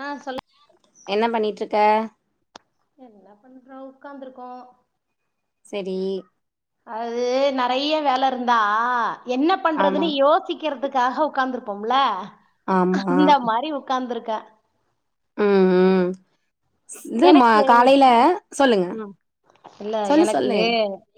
ஆ சொல்லு என்ன பண்ணிட்ரு க்க என்ன பண்றோ உக்காந்துருக்கோ சரி அது நறைய வேல இருந்தா என்ன ஆமா பண்றதுன்னு யோசிக்கிறதுக்காக உக்காந்துரு ப்போம்ல ஆமா அந்த மாரி உக்காந்துருக்கே ம் ம் இது மா எனக்கு காலையில சொல்லுங்க ம் இல்ல சொல்லு எனக்கு சொல்லு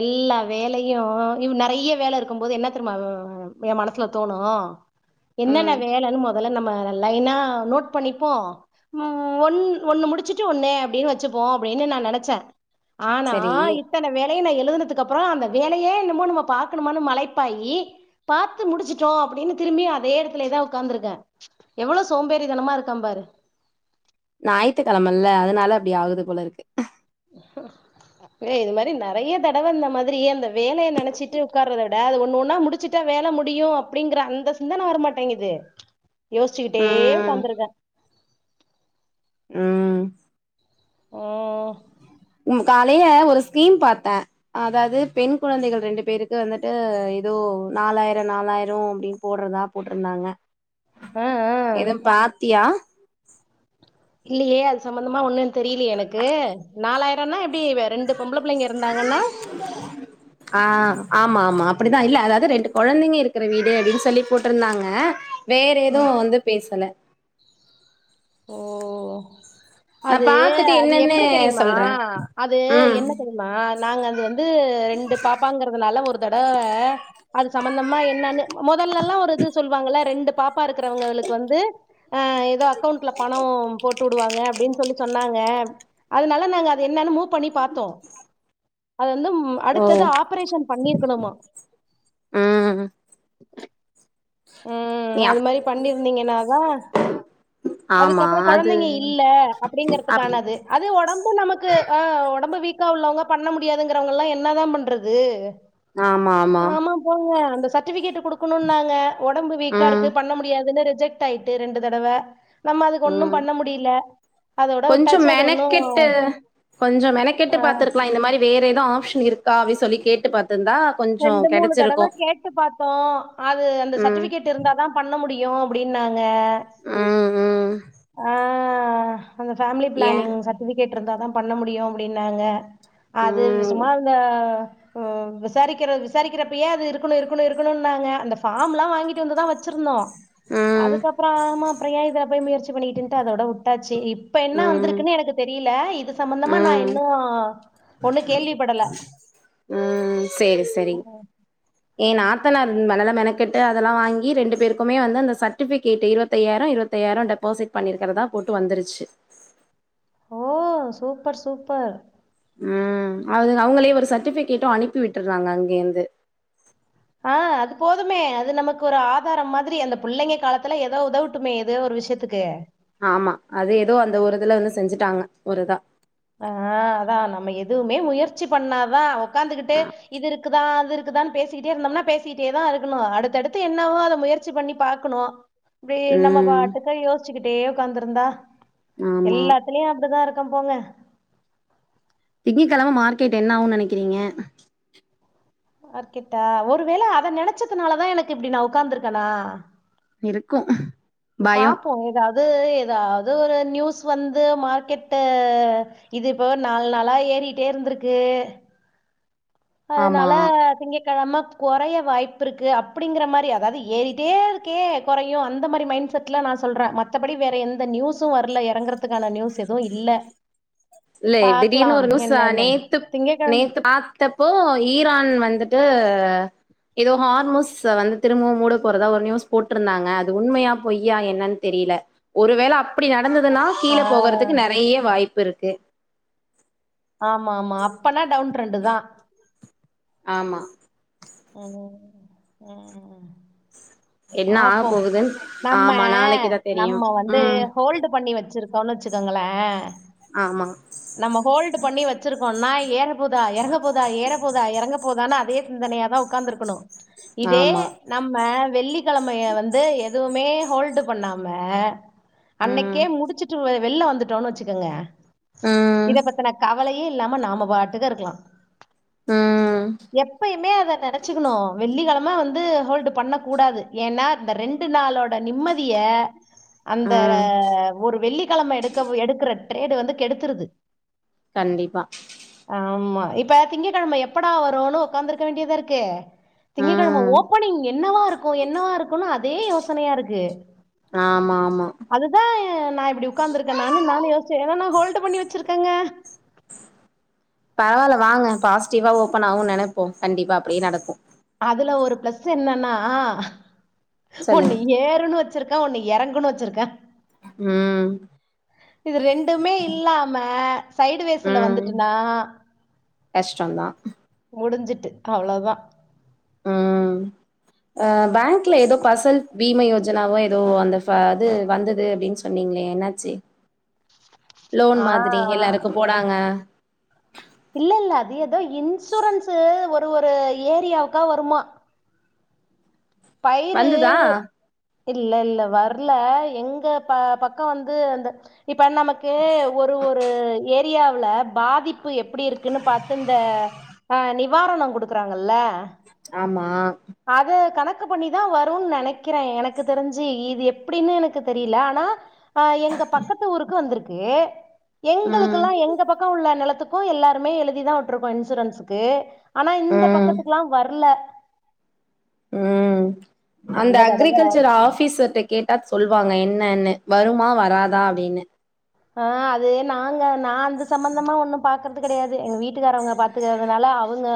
எல்லா வேலையு இ நெறைய வேலை இருக்கும் போது என்ன தெரிம்மா எ மனசுல தோணு என்னென்ன ம் வேலன்னு மொ தல்ல நம்ம லைனா நோட் பண்ணிப்போ ஒன் ஒன்னு முடிச்சுட் டு ஒண்ணு அப்டின்னு வெச்சுப்போ அப்படின்னு நா நெனச்ச ஆனா செரி இத்தன வே லயு எழுதுனதுக்கு அப்புற அந்த வேலையே என்னமோ நம்ம பாக்கணுமானு மலைப்பாயி பாத்து முடிச்சுட்டோ அப்படின்னு திரும்பி அதே எடத்துலேதா உக்காந்துருக்கே எவ்வளவு சோம்பேறி தனமா இருக்கம் பாரு ஞாயித்துகெழமல்ல அதனால அப்படி ஆகுது போல இருக்கு ஏ இது மாரி நெறைய தடவ இந்த மாதிரி அந்த வேலைய நெனைச்சிட்டு உக்கார்றத விட அது ஒண்ணு ஒன்னா முடிச்சுட்டா வேல முடியு அப்படிங்கிற அந்த சிந்தனை வரமாட்டேங்கிது யோசிச்சுக்கிட்டே ம் உக்காந்துருக்க ம் ம் காலைல ஒரு ஸ்கீம் பாத்த அதாது பெண் குழந்தைகள் ரெண்டு பேருக்கு வந்துட்டு ஏதோ நாலாயிர நாலாயிர அப்டின் போடுறதா போட்ருந்தாங்க ஆ ஆ எதும் பாத்தியா இல்லியே அது சம்பந்தமா ஒன்னு தெரிலியே எனக்கு நாலாயிரனா எப்டி ரெண்டு பொம்பளை பிள்ளைங்க இருந்தாங்கன்னா ஆ ஆமா ஆமா அப்டிதா இல்ல அதாது ரெண்டு கொழந்தைங்க இருக்கிற வீடு அப்டின்னு சொல்லி போட்ருந்தாங்க வேற எது வந்து பேசல ஓ நா அது பாத்துட்டு அது என்னன்னு எப்டி தெரிமா சொல்றே அது ம் என்ன தெரிமா நாங்க அது வந்து ரெண்டு பாப்பாங்கறதுனால ஒரு தட அது சம்பந்தமா என்னான்ன மொதலலா ஒரு இது சொல்லுவாங்கள ரெண்டு ப்பா இருக்குறவங்களுக்கு வந்து அ, ஏதோ அக்கோண்ட்ல பணம் போட்டு வுடுவாங்க அப்டின்னு சொல்லி சொன்னாங்க அதனால நாங்க அத என்னன்னு மூவ் பண்ணி பாத்தோ அது வந்து ஓ அடுத்தது ஆப்ரேஷன் பண்ணிர்க்குணுமா ம் ம் நீ அது அப் மாரி பண்ணிருந்தீங்கனா தா ஆமா அதுக்கப்றோ அது ககொழந்தைங்க இல்ல அப் அப்டிங்கறதுக்கானது அது ஒடம்பு நமக்கு ஆ உடம்பு வீக் கா உள்ளவ்ங்க பண்ண முடியாதுங்குறவங்கல்லா என்ன தா பண்றது ஆமா போங்க இந்த சர்டிவிகேட்டு குடுக்குணுன்னாங்க ஒடம்பு வீக்கா ம் இருக்கு பண்ண முடியாதுனு ஜெக்ட் அயிடு ரெண்டு தடவ அதுக்கு ஒண்ணும் ம் பண்ண முடியல. அதோட கொஞ்ச விட்டாச்சு. அது ஒண்ணும் மெனக்கெட்டு கொஞ்ச மெனக்கெட்டு ஆ பாத்துருக்கலா இந்த மாரி வேற எது ஆப்ஷன் இருக்கா அப்டி சொல்லி கேட்டு பாத் ரெண்டு மூணு தடவ கேட்டு பாத்தோ அது அந்த ம் சர்டிவிகேட்டு இருந்தாதா பண்ண முடியு யு அப்புடின்னா க ம் ம் ஆ அந்த ஃபேம்லி ஏ ப்ளான்ங் சர்டிவிகேட் ட் இருந்தாதா பண்ண முடியு அப்டின்னாங்க அது ம் சும்மா இந்த விசாரிக்கிர விசாரிக்கிறப்பயே அது இருக்குணு இருக்குணு இருக்குணுன்னாங்க அந்த ஃபார்ம்லா வாங்கிட்டு வந்துதா வச் சிருந்தோ ம் அதுக்கப்ற ஆமா ப்ற ஏ இத போய் முயற்சி ட்டு பண்ணிகிட்டுண்ட்டு அதோட உட்டாச்சி இப் இப்ப என்னா ம் வந்திருக்குன்னு எனக்கு தெரியில இப் ம் ஒண்ணு கேள்விப்படல ம் சேரி சரி ஏன்னா த்தனார் மெனலா மெனகெட்டு அதலா வாங்கி ரெண்டு பேருக்குமே வந்து அந்த சர்டிபிகேட்டு இருவத்தய்யாயிறோ இருவத்தய்யாயிற டெப்பாசிட் பண்ணிருக்கிறதா போட்டு வந்துருச்சு ஓ சூப்பர் சூப்பர் ம் அது அவங்களே ஒரு சர்ட்டிபிகேட்டு அனுப்பி விட்டுற்றாங்க அங்கேந்து அ அது போதுமே அது நமக்கு ஒரு ஆதாரம் மாது ரி அந்த புள்ளைங்க காலத்துல ஏதோ உதவட்டுமே எதோ ஒரு விஷ்யத்துக்கு ஆமா அது எதோ அந்த ஒரு இதுல வந்து செஞ்சுட்டாங்க ஒரு இதா அ அதா நம்ம எதுவுமே முயற்சி பண்ணாதா உக்காந்துக்கிட்டு இது இருக்குதா அது இருக் குதா பேசிகிட்டே இருந்தோம்னா பேசிகிட்டே தா இருக்கு ணு அடுத்தடுத்து என்னவோ அத முயற்சி பண்ணி பாக்குணு ப்டி நம்ம ம். பாட்டுகா யோஸ் ச்சிக்கிட்டே உக்காந்துருந்தா ஆமா. எல்லாத்துலயு அப்டிதா இருக் கம் போங்க திங்கிகெழம மார்க்கெட் என்ன ஆகுன்னு நெனைக்கிறீங்க மார்க்கெட்டா ஒரு வேல அத நெனச்சதுனாலதா எனக்கு இப்டி நா உக்காந்திருக்கேனா இருக்கு ஒ பாப்போ எதாவ்து அது எதாவ்து ஒரு நியூஸ் வந்து மார்க்கெட்ட இது இப்ப நாலு நாளா ஏறிட்டே இருந்திருக்கு ஆமா. அதனால திங்க கெழம கொறைய வாய்ப்பு இருக்கு அப்படிங்கிற மாறி அதாது ஏறிட்டே இருக்கே கொறையு அந்த மாறி மைண்ட் செட்ல நா சொல்றே மத்தபடி வேற எந்த நியூஸு வரல எறங்குற துக்கான நியூஸ் எதுவு இல்ல இல்ல பாக்லா திடீர்னு ஒரு நியூஸ் என்னன்னு திங்ககெழ ந்த ஈரான் வந்துட்டு எதோ ஹார்மோஸ்ஸ வந் திரும்பவு மூட போறதா ஒரு நியூஸ் போட்ருந்தாங்க அது உண்மையா பொய்யா என்னன் தெரியல ஒருவேல அப்படி நடந்ததுன்ன கீழ போகறதுக்கு ஆஹ் நெறைய வாய்ப்புருக் கு ஆமா ஆமா அப்பனா டவுன் ட்ரெண்டு தா ஆமா ம் ம் என்ன ஆக பாப்போ போகுதுன்னு நம்ம ஆமா நாளைக்குதா தெரியும் நம்ம வந்து ம் ஹோல்டு பண்ணி வச்சிருக் கோன் வச்சுக்கோங்களே ஆமா நம்ம ஹோல்டு பண்ணி வச்சிருக்கோன்னாய் ஏறப் போதா எறங்க போதா ஏற போதா எறங்க போதானு அதயே சிந்தனையாதா உக்காந்துருக்கணு இதே ஆமா நம்ம வெள்ளி கெழமைய வந்து எதுவுமே ஹோல்டு பண்ணாம ம் அன்னைக்கே முடிச்சுட்டு வெ வெள்ள வந்துட்டோன்னு வச்சுக்கங்க ம் இத பத்தன கவலயே இல்லாம நாம பாட்டுக்க ருக்கலா ம் எப்பயுமே அத நெனைச்சுக்கணு வெள்ளிக்கெழ ம வந்து ஹோல்டு பண்ணக் கூடாது ஏனா இந்த ரெண்டு நாளோட நிம்மதிய அந்த ம் ஒரு வெள்ளிக்கெழம எடுக்க போ எடுக்குற ட்ரேடு வந்து கெடுத்துருது கண்டிபா ஆமா இப்ப திங்க்கெழம எப்படா வருனு உக்காந்துருக்க வேண்டியதாருக்கு திங்கக்கெழம ம் ஓப்பனிங் என்னவா இருக்கு என் னவா இருக் அதே யோசனையா இருக்கு ஆமா ஆமா அதுதா நா இப்டி உக்காந்துருக்கனானு நானு யோஸ்ச்ச ஏனா நா ஹோல்டு பண்ணி வச்சிருக் கங்க பரவால்ல வாங்க பாசிட்டிவா ஓப்பன் ஆவுன் நெனப்போ கண்டிப்பா அப்டியே நடக்கு அதுல ஒரு ப்ளஸ்ஸு என்னன்னா சொல்லுங்க ஒண்ணு ஏறுனு வெ ச்சிருக்க ஒன்னு எறங்குனு வச்சிருக்க ம் இது ரெண்டுமே இல்லாம சைடு வேஸ்ல வந்துட்டுனா கஷ்டொந்தா முடிஞ்சிட்டு அவ்ளோதா ம் ஆ பேங்க்ல ஏதோ பசல் பீமை யோஜனாவோ ஏதோ அந்த ஃப அது வந்தது அப்டின் சொன்னீங்களே என்னாச்சு லோன் ஆ மாதிரி எல்லாருக்கு போடாங்க இல்லேல்ல அது ஏதோ இன்சூரன்ஸு ஒரு ஒரு ஏரியாவுக்கா வருமா பயிறு வந்துதா இல்லல்ல வர்ல எங்க ப பக்க வந்து அந்த இப்ப நமக்கு ஒரு ஒரு ஏத் தியாவ்ல பாதிப்பு எப்புடி இருக்குன்னு பாத்து இந்த அ நிவாரண குடுக்குறாங்கல்ல அமா க்கு பண்ணிதா வருன் நெனக்கிற எனக்கு தெரிஞ்சு இது எப்டின்னு எனக்கு தெரிய்ல அனா அ எங்க பக்கத்து ஊருக்கு வந்துருக் கே ம் எங்குளுக்குல்லா எங்க பக்க உள்ள நெலத்துக் கு எல்லாருமே எழுதிதா விட்ருக்கோ இன்சூரன்ஸுக்கு ஆனா இந்த ம் பக்கத்துக்குல்லா வர்ல ம் அந்த அக்ரிகல்ச்சர் ஆபீசர்கிட்ட கேட்டா சொல்வாங்க என்னனு வருமா வராதா அப்டின்னு அ அது நாங்க நா அந்த சம்பந்தமா ஒன்னு பாக்கற் து கடையாது எங் வீட்டுக்காரங்க பாத்துக்கறதுனால அவுங்க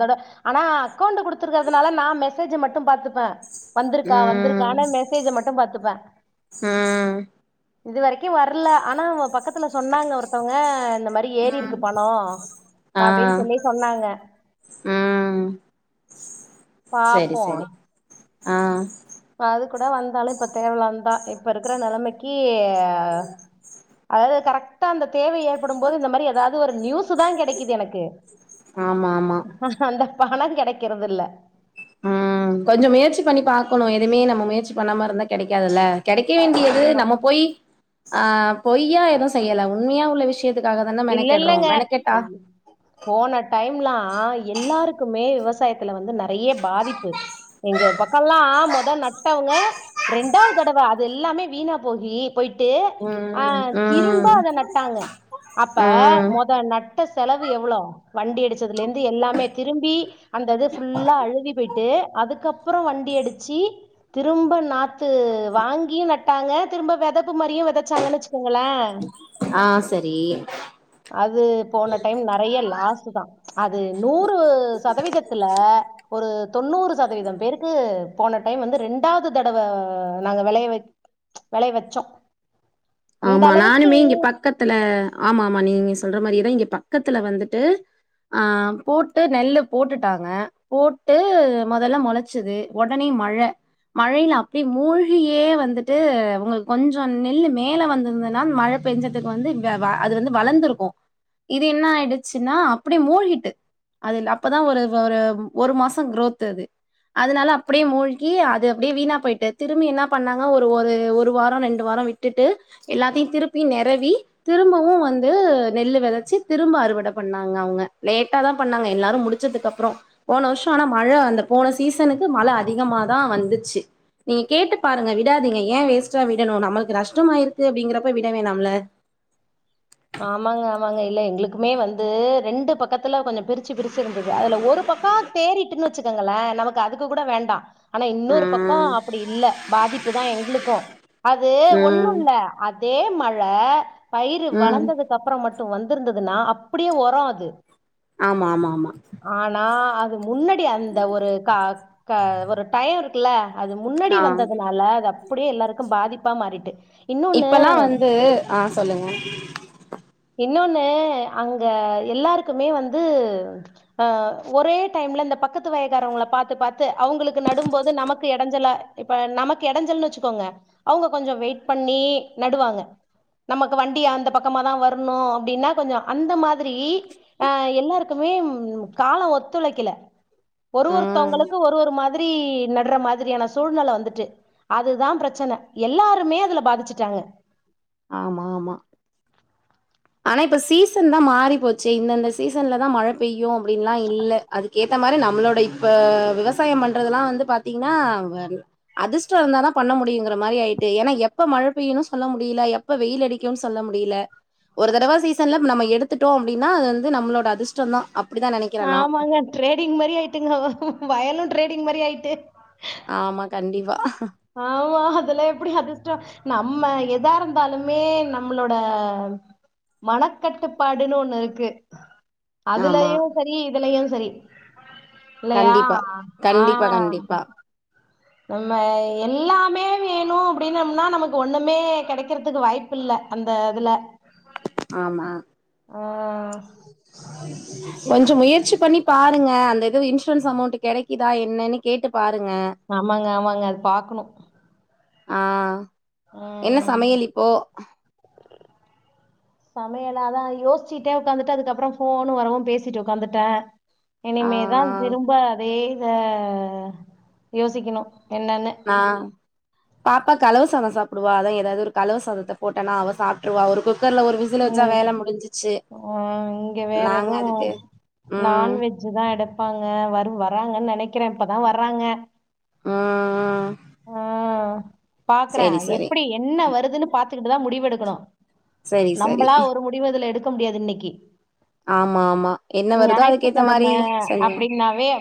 தட ஆனா அக்கோண்ட்டு குடுத்துருக்கறதுனால நா மெசேஜ்ஜ மட்டு பாத்துப்ப வந்துருக்கா ம் வந்துருக்கான்னு மெசேஜ மட்டு பாத்துப்ப ம் இது வரைக்கும் வர்ல ஆனா அவ பக்கத்துல சொன்னாங்க ஒருத்தவங்க இந்த மாரி ஏறி இருக்கு பணம் ஆ அப்படின்னு சொல்லி சொன்னாங்க ம் செரி பாப்போம் செரி ஆ அது கூட வந்தாலும் இப்ப தேவலாந்தா இப்ப இருக்குற நெலமைக்கு ஆ அதாவது கரெக்டா அந்தத் தேவை ஏற்படும் போது இந்த மாரி ஏதாவது ன்னு ஒரு நியூஸு தான் கெடைக்குது எனக்கு ஆமா ஆமா னா [unintelligible] அது கெடைக்கறது இல்ல ம் கொஞ்சம் முயற்சி பண்ணி பாக்கணும் எதுவுமே நம்ம முயற்சி பண்ணாம இருந்தா கெடைக்காதுல்ல கெடைக்க வேண்டியது ஆமா நம்ம போய் ஆ போய் ஏன் எதும் செய்யல உண்மையா உள்ள விஷய இல்ல இல்லங்க போன டைமெல்லாம் எல்லாருக்குமே விவசாய டையத்துல வந்து ந ய்ய பாதிப்பு எங்க பக் க்கல்லா மொத நட்டவங்க ரெண்டாவ்தடவ அதெல்லாமே வீணா போகி போயிட்டு அ ம் திரும்ப ம் அத நட்டாங்க ப்ப ம் மொத நட் ட்ட செலவு எவ்வளோ வண்டி அடிச்சதுலேந்து எல்லாமே திரும்பி அந்த இது ஃபுல்லா அழுகி போய்ட்டு அதுக்கப்பறோ வண்டி அடிச்சி திரும்ப நாத் த்து வாங்கியு நட் ட்டாங்க திரும்ப வெத ப்பு மாரியே வெதச்சாங்கனு வெச்சுக்கோங்கள ஆ செரி அது போன டைம் நறைய லாஸுதா அது நூறு சதவீதத்துல ஒரு தொண்ணூறு சதவீதம் பேருக்கு போன டைம் வந்து ரெண்டாவ்து தடவ நாங்க வெளைய வெ வெளைய வெச்சோ ஆமா நானுமே இங்க பக்கத்துல ஆமாமா நீங்க சொல்ற மாரியேதா இங்க பக்கத்துல வந்துட்டு அ போட்டு நெல்லு போட்டுட்டாங்க போட்டு மொதல்ல மொளச்சுது ஒடனே மழ மழைல அப்டே மூழ்ஹியே வந்துட்டு உங்ளுள்க் கொஞ்சோ நெல்லு மேல வந்துர்ந்துனா மழ பேஞ்சதுக்கு வந்து வே வ அது வந்து வளந்துருக்கு இது என்ன ஆயிடுச்சுன்னா அப்டே மூழ்ஹிட்டு அதில் அப்பதா ஒரு ஒரு ஒரு மாசங் க்ரோத்து அதுனால அப்டியே மூழ்கி அது அப்டே வீணா போய்ட்டு திருமி என்னாப் பண்ணாங்க ஒரு ஒரு ஒரு வாரோ ரெண்டு வாரோ விட் டுட்டு எல்லாத்தயு திருப்பி நெரவி திரும்பவு வந்து நெல்லு வெதச்சு திரும்ப அறுவட பண்ணாங்க அவுங்க லேட்டா தா பண்ணாங்க எல்லாரு முடிச்சதுக்கப்றோ போன வர்ஷோ ஆனா மழ அந்த போன சீசனுக்கு மழ அதிகம தா வந்துச்சு நீங்க கேட்டு பாருங்க விடாதீங்க ஏன் வேஸ்ட்டா விடணு நம்மளுக்கு நஷ் ட்ருமாயிருக்கு அப்டிங்கிறப்ப விட வேணாம்ல ஆமாங்க ஆமாங்க இல்ல எங்ளுக்குமே வந்து ரெண்டு பக்கத்துல கொஞ்சொ பிரிச்சு பிரிச்சு இருந்துது அதுல ஒரு பக்கா தேரிட்டுன்னு வெச்சுக்கங்கள நமக்கு அதுக்கு கூட வேண்டா அனா இன்னொரு பக்கோ ம். அப்புடி இல்ல பாதிப்பு தா எங்ளுக்கு அது ம். ஒன்னுல்ல அதே மழ் ப்ல ம். வளந்ததுக்கப்பற மட் டு வந்திருந்ததுனா அப்டியே ஒரோ அது ஆமா ஆமா ஆமா ஆனா, அது முன்னடி அந்த ஒரு க க ஒரு டயோ இருக்குல அது முன்னாடி ஆ. வந்ததனால அதப் அப்டியே எல்லாருக்கு பாதிப்பா மாறிட்டு இன்னொன்னு இப்பெல்லா வந்து ஆ சொல்லுங்க இன்னொன்னு அங்க எல்லாருக்குமே வந்து அ ஒரே டைம்ல இந்த பக்கத்து வயகாரவங்கள பாத்து பாத்து அவுங்களுக்கு நடும்போது நமக்கு எடஞ்சலா இப்ப நமக்கு எடஞ்சல்ன்னு வெச்சுக்கோங்க அவுங்க கொஞ்சோ வெயிட் பண்ணி நடுவாங்க நமக்கு வண்டி அந்த பக்கமா தா வர் ரன்னு அப்டின்னா கொஞ்சொ அந்த மாதிரி அ எல்லாருக்குமே ம் காலோ ஒத்துழைக்கல ஒரு ம். ஒருத்தவுங்களுக்கு ஒரு ஒரு மாதிரி நடுற மா திரியான சூழ்நல வந்துட்டு அதுதா ப்ரெச்சன எல்லாருமே அதுல பாதிச்சுட்டாங்க ஆமா ஆமா ஆனா இப்ப சீசன் தா மாறி போச்சு இந்தந்த சீசன்ல தா மழ பெய்யு அப்டின்லா இல்ல அதுக்கேத்த மாரி நம்ளோட இப் ப்ப விவசாயம் பண்றதுல்லா வந்து பாத்தீங்ன்னா வன் அதிர்ஷ்டோ இருந்தாதா பண்ண முடியுங்கிற மாரி ஆயிட்டு ஏனா எப்ப மழ பெய்யுனு சொல்ல முடில எப்ப வெயிலடிக்குன் சொல்ல முடில ஒரு தடவ சீசன்ல நம்ம எடுத்துட்டோ அப்டின்னா அது வந்து நம்ளோட அதிர்ஷ்டோ தா அப் ஆமாங்க ட்ரேடிங் மாரி ஆயிட்டுங்க வயலு டிரேடிங் மாரி ஆயிட்டு ஆமா, கண்டிப்பா. ஆமா அதெல்லா எப்படி அதிர்ஷ்ட நம்ம எதா இருந்தாலுமே நம்மளோட மனக்கட்டுப்பாடுன்னு ஒண்ணு இருக்கு ஆமா, அதுலயு இதலையு சரி இல்லையா கண்டிப்பா. ஆ கண்டிப்பா, கண்டிப்பா. நம்ம எல்லாமே வேணு அப்படினோம்னா நமக்கு ஒண்ணுமே கிடைக்கிறதுக்கு வாய்ப்பு இல்ல அந்த இதுல ஆமா ஆ கொஞ்சோ முயற்சி பண்ணி பாருங்க அந்த இது இன்சூரன்ஸ் அமௌண்ட் கிடைக்குதா என்னன்னு கேட்டு பாரு ஆமாங்க ஆமாங்க அது பாக்கணு ஆ என்ன ம் சமையல் இப்போ சமையல் அதா யோசிச்சிட்டே உட்காந்துட்டு அதுக்கப்ரோ ஃபோன் வரவு பேசிட்டு உட்காந்துட்ட ஆ இனிமே தா திரும்ப அதே த யோசிக்கிணு என்னனு நா பாப்பா கலவுசாதோ சாப்டுவா அதா ஏதாவ்து கலவ சாதத்த போட்டனா அவ சாப்ட்ருவா ஒரு ஃபிப் இங்கெ வேற நாங்க எது அதுக்கு ம் நான்வெஜ்ஜு தா எடுப்பாங்க வருவா வறாங்கன் நெனக்கிறே இப்பதா வர்றாங்க ம் ம் பாக்குற எப்புடி என்ன வருத் துனு பாத்துகிட்டுதா முடிவெடுக்கணு செரி செரி நம்பலா ஒரு முடிவு இதுல எடுத் முடியாது இன்னைக்கு ஆமா ஆமா என்ன வருதோ அதுக்கேத்த மாரி செய்யணும்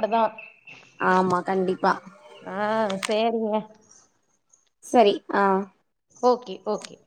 அதாப் ஆ சேரிங்க சரி ஆ ஓகே ஓகே